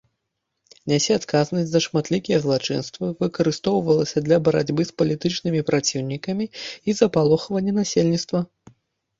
Нясе адказнасць за шматлікія злачынствы, выкарыстоўвалася для барацьбы з палітычнымі праціўнікамі і запалохвання насельніцтва.